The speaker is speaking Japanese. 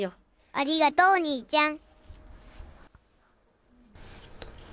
ありがとうお兄ちゃん。